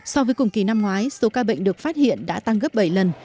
so với cùng kỳ năm ngoái số ca bệnh được phát hiện đã tăng gấp bảy lần